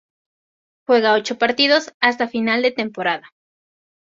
Juega ocho partidos hasta final de temporada.